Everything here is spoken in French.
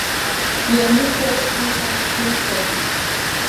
Les muqueuses sont foncées.